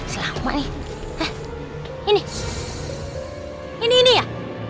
selama nih ini ini ini ya